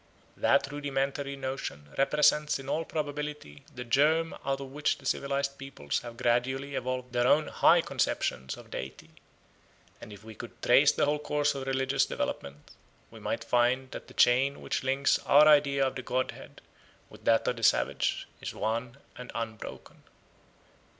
That rudimentary notion represents in all probability the germ out of which the civilised peoples have gradually evolved their own high conceptions of deity; and if we could trace the whole course of religious development, we might find that the chain which links our idea of the Godhead with that of the savage is one and unbroken.